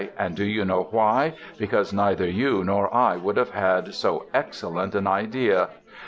And do you know why? Because neither you nor I would have had so excellent an idea....